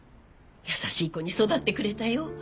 優しい子に育ってくれたよ。